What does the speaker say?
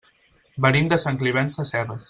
Venim de Sant Climent Sescebes.